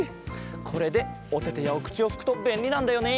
これでおててやおくちをふくとべんりなんだよね。